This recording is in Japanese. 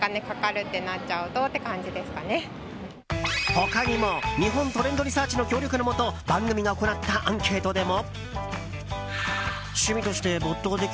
他にも日本トレンドリサーチの協力のもと番組が行ったアンケートでも。